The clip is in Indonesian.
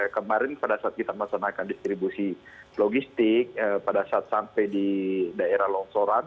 kemarin pada saat kita melaksanakan distribusi logistik pada saat sampai di daerah longsoran